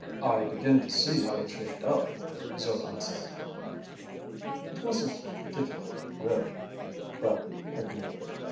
"I begin to see how it shaped up," Zircon said. "It wasn't difficult, really," Bradley admitted.